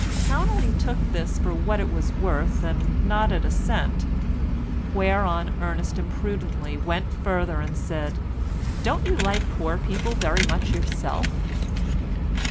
Towneley took this for what it was worth and nodded assent, whereon Ernest imprudently went further and said "Don't you like poor people very much yourself?"